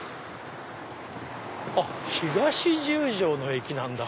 あっ東十条の駅なんだ。